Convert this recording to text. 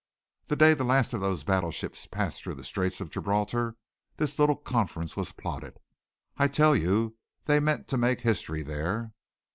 The day the last of those battleships passed through the Straits of Gibraltar, this little Conference was plotted. I tell you they meant to make history there.